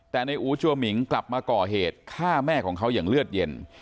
แต่ในอู๋จัวหมิงกลับมาก่อเหตุฆ่าแม่ของเขาอย่างเลือดเย็น